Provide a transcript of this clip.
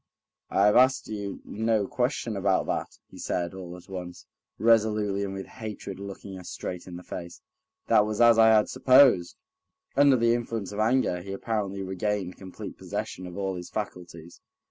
"I have asked you no question about that," he said, all at once, resolutely and with hatred looking her straight in the face; "that was as I had supposed." Under the influence of anger he apparently regained complete possession of all his faculties.